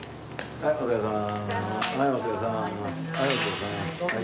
はいお疲れさん。